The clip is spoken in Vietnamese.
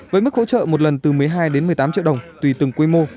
với mức hỗ trợ một lần từ một mươi hai đến một mươi tám triệu đồng tùy từng quy mô